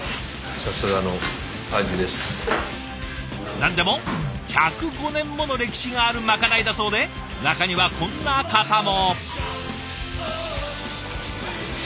何でも１０５年もの歴史があるまかないだそうで中にはこんな方も。